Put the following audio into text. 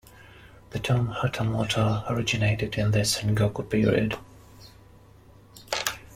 The term "hatamoto" originated in the Sengoku period.